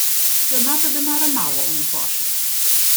We moatte der mar in mouwe oan passe.